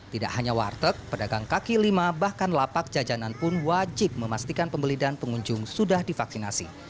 tidak hanya warteg pedagang kaki lima bahkan lapak jajanan pun wajib memastikan pembeli dan pengunjung sudah divaksinasi